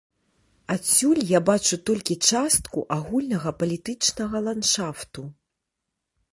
Адсюль я бачу толькі частку агульнага палітычнага ландшафту.